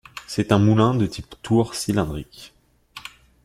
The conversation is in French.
C'est un moulin de type tour cylindrique.